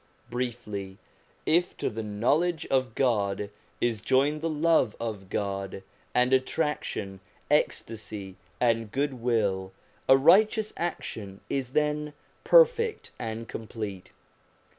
Briefly, if to the knowledge of God is joined the love of God, and attraction, ecstasy, and goodwill, a righteous action is then perfect and complete.